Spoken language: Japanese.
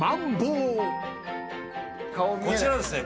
こちらですね